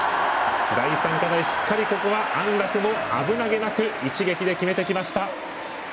第３課題、ここもしっかり安楽も危なげなく一撃で決めてきました。